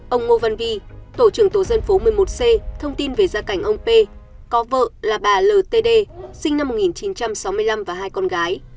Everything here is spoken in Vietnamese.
ông ngô văn vi tổ trưởng tổ dân phố một mươi một c thông tin về gia cảnh ông p có vợ là bà ltd sinh năm một nghìn chín trăm sáu mươi năm và hai con gái